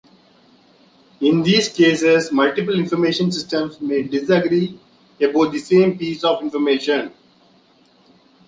In these cases, multiple information systems may disagree about the same piece of information.